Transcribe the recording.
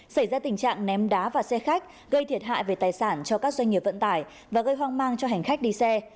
xảy ra tình trạng ném đá vào xe khách gây thiệt hại về tài sản cho các doanh nghiệp vận tải và gây hoang mang cho hành khách đi xe